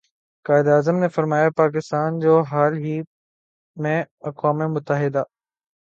قائد اعظم نے فرمایا پاکستان جو حال ہی میں اقوام متحدہ